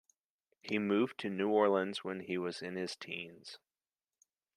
He moved to New Orleans when he was in his teens.